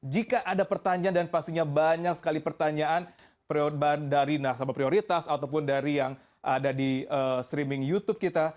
jika ada pertanyaan dan pastinya banyak sekali pertanyaan dari nasabah prioritas ataupun dari yang ada di streaming youtube kita